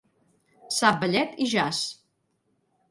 Sap ballet i jazz.